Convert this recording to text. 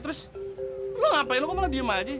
terus lu ngapain lu kok malah diem aja